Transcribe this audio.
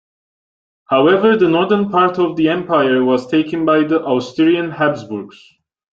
However the northern part of the empire was taken by the Austrian Habsburgs.